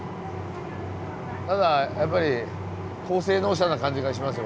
ただやっぱり高性能車な感じがしますよね。